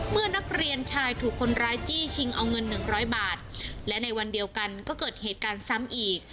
เมื่อนักเรียนชายถูกคนร้ายจี้ชิงเอาเงินหนึ่งร้อยบาทและในวันเดียวกันก็เกิดเหตุการณ์ซ้ำอีก